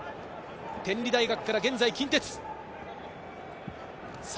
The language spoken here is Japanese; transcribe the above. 天理大学から現在、近鉄。